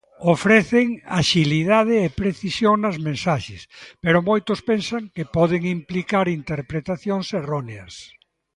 Ofrecen axilidade e precisión nas mensaxes, pero moitos pensan que poden implicar interpretacións erróneas.